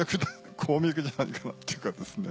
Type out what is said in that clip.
鉱脈じゃないかなっていうかですね。